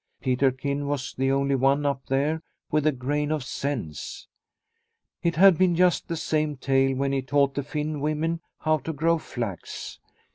Peterkin was the only one up there with a grain of sense. It had been just the same tale when he taught the Finn women how to grow flax.